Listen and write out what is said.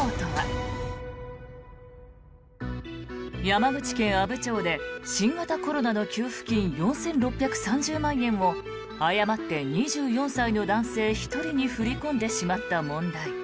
山口県阿武町で新型コロナの給付金４６３０万円を誤って２４歳の男性１人に振り込んでしまった問題。